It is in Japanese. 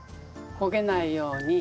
焦げないように。